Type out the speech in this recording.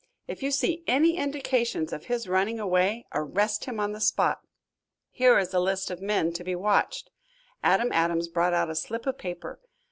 If you see any indications of his running away, arrest him on the spot. Here is a list of the men to be watched." Adam Adams brought out a slip of paper.